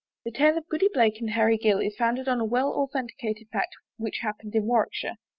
The tale of Goody Blake and Harry Gill is founded on a well authenticated fact which happened in Warwickshire.